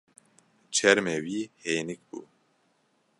Çermê wî hênik bû.